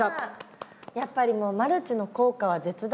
やっぱりもうマルチの効果は絶大ですね。